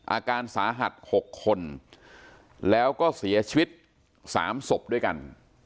อาการสาหัส๖คนแล้วก็เสียชีวิต๓ศพด้วยกัน